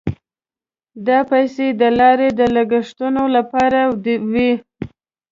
دا پیسې د لارې د لګښتونو لپاره وې.